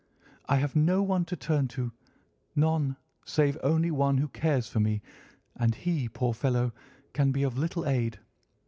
I have no one to turn to—none, save only one, who cares for me, and he, poor fellow, can be of little aid.